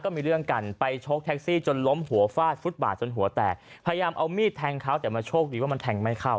บาทจนหัวแตกพยายามเอามีทขาวแต่มันโชคดีว่ามันแทงไม่เข้า